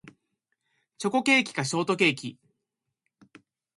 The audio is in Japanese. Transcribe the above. チョコケーキかショートケーキ